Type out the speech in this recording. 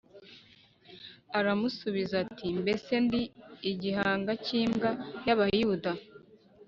aramusubiza ati “Mbese ndi igihanga cy’imbwa y’Abayuda?